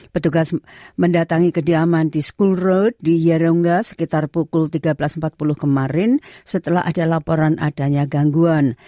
petugas mendatangi kediaman di school road di yarongga sekitar pukul tiga belas empat puluh kemarin setelah ada laporan adanya gangguan